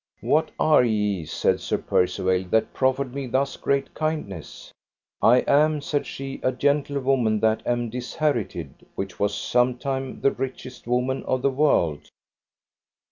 What are ye, said Sir Percivale, that proffered me thus great kindness? I am, said she, a gentlewoman that am disherited, which was sometime the richest woman of the world.